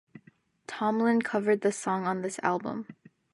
Tomlin covered the song on this album.